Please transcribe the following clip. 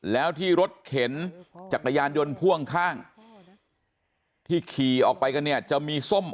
แล้วที่รถเข็นจักรยานยนต์พ่วงข้างที่ขี่ออกไปกันเนี่ยจะมีส้ม